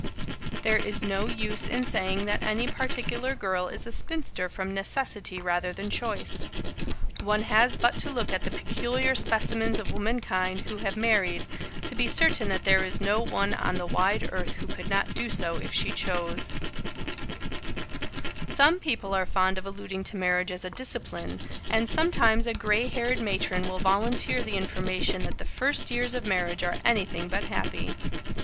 There is no use in saying that any particular girl is a spinster from necessity rather than choice. One has but to look at the peculiar specimens of womankind who have married, to be certain that there is no one on the wide earth who could not do so if she chose. [Sidenote: "A Discipline"] Some people are fond of alluding to marriage as "a discipline," and sometimes a grey haired matron will volunteer the information that "the first years of marriage are anything but happy."